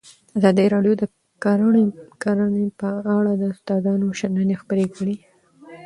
ازادي راډیو د کرهنه په اړه د استادانو شننې خپرې کړي.